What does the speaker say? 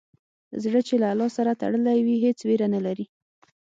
زړه چې له الله سره تړلی وي، هېڅ ویره نه لري.